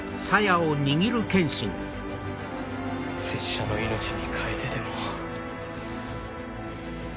拙者の命に代えてでも。